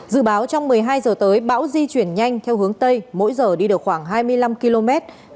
dự báo trong một mươi hai giờ tới bão di chuyển nhanh theo hướng tây mỗi giờ đi được khoảng hai mươi năm km